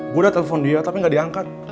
gue udah telepon dia tapi gak diangkat